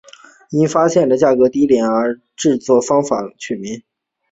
因发现了价格低廉的制铝方法而知名。